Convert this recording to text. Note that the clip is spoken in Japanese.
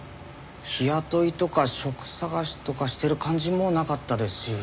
日雇いとか職探しとかしてる感じもなかったですし。